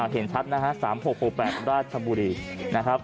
เห็นชัดนะฮะ๓๖๖๘ราชบุรีนะครับ